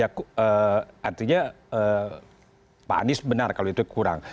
kalau asumsinya benar artinya pak anies benar kalau itu kurang